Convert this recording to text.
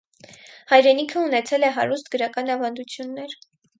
«Հայրենիքը» ունեցել է հարուստ գրական ավանդություններ։